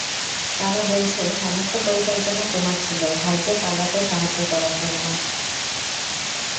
তারা বলছে সমস্ত পরিকল্পনা তোমার ছিলো, ভাইকে পালাতে সাহায্য করার জন্য।